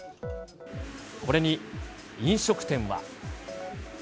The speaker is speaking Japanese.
これに飲食店は。